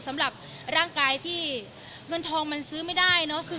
สำหรับร่างกายที่เงินทองมันซื้อไม่ได้เนอะ